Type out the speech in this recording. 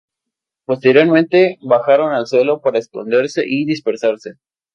Posteriormente, bajaron al suelo para esconderse y dispersarse.